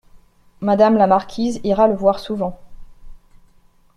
Madame la marquise ira le voir souvent.